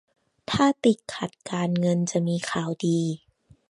ถ้าติดขัดการเงินจะมีข่าวดี